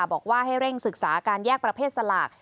บอกว่าให้เร่งศึกษาการแยกประเภทสลาก